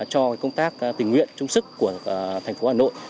cho công tác tình nguyện trung sức của thành phố hà nội